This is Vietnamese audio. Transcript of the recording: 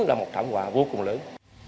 là một thảm họa vô cùng lớn